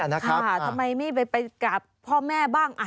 ทำไมไม่ไปกราบพ่อแม่บ้าง